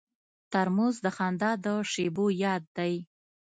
ترموز د خندا د شیبو یاد دی.